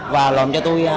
và làm cho tôi